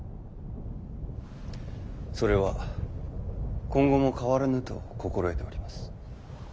それは今後も変わらぬと心得ております。